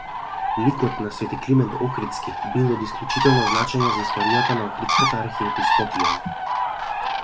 Ликот на св. Климент Охридски бил од исклучително значење за историјата на Охридската архиепископија.